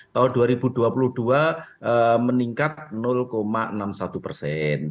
tahun dua ribu dua puluh dua meningkat enam puluh satu persen